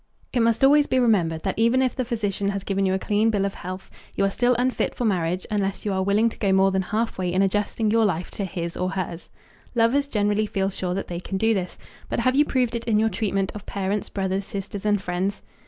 It must always be remembered that even if the physician has given you a clean bill of health, you are still unfit for marriage unless you are willing to go more than halfway in adjusting your life to "his" or "hers." Lovers generally feel sure that they can do this, but have you proved it in your treatment of parents, brothers, sisters, and friends?